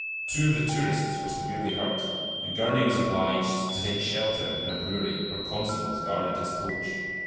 Two of the tourists were severely hurt, and Gurney was obliged to take shelter in a brewery, where constables guarded his coach.